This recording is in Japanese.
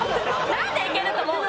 なんでいけると思うの？